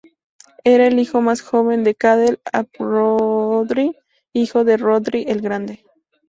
Era el hijo más joven de Cadell ap Rhodri, hijo de Rhodri el Grande.